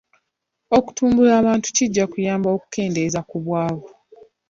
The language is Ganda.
Okutumbula abantu kijja kuyamba okukendeeza ku bwavu.